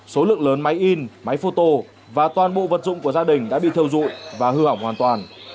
số lượng lớn máy in máy phôto và toàn bộ vật dụng của gia đình đã bị theo dụi và hư hỏng hoàn toàn